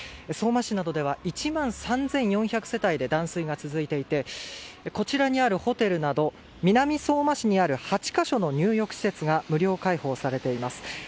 相馬市などでは１万３４００世帯で断水が続いていてこちらにあるホテルなど南相馬市にある８か所の入浴施設が無料開放されています。